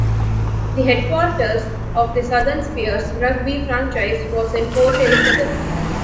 The headquarters of the Southern Spears rugby franchise was in Port Elizabeth.